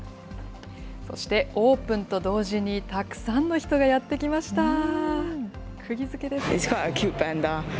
そして、オープンと同時にたくさんの人がやって来ました。